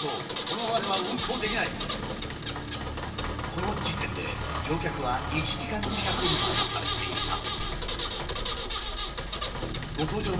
この時点で乗客は１時間近く待たされていた。